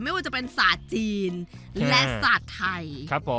ไม่ว่าจะเป็นสัตว์จีนและสัตว์ไทย